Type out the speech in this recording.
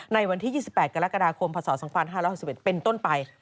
ในวันที่๒๘กรกฎาคมพศ๒๕๖๑เป็นต้นไป